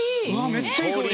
めっちゃいい香り。